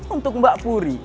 untuk mbak purdy